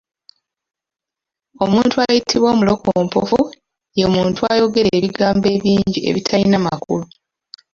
Omuntu ayitibwa omulokompofu, ye muntu ayogera ebigambo ebingi ebitalina makulu.